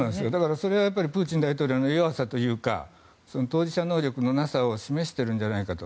それはプーチン大統領の弱さというか当事者能力のなさを示してるんじゃないかと。